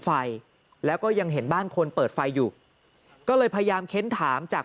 ไฟแล้วก็ยังเห็นบ้านคนเปิดไฟอยู่ก็เลยพยายามเค้นถามจาก